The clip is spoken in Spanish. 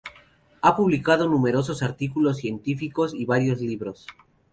Ha publicado numerosos artículos científicos y varios libros.